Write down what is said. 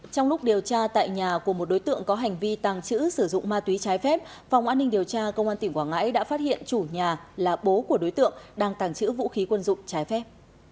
trong lúc điều tra tại nhà của một đối tượng có hành vi tàng trữ sử dụng ma túy trái phép phòng an ninh điều tra công an tỉnh quảng ngãi đã phát hiện chủ nhà là bố của đối tượng đang tàng trữ vũ khí quân dụng trái phép